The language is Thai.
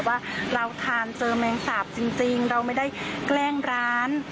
ว่าเราทานเจอแมงสาบจริงเราไม่ได้แกล้งร้าน